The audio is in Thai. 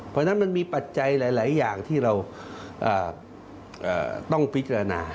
เพราะฉะนั้นมันมีปัจจัยหลายอย่างที่เราต้องพิจารณา